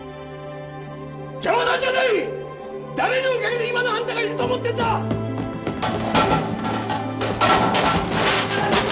冗談じゃない誰のおかげで今のあんたがいると思ってんだッ